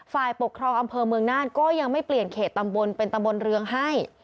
ฝ่ายปกครองอำเภอเมืองน่านก็ยังไม่เปลี่ยนเขตตำบลเป็นตำบลเรืองให้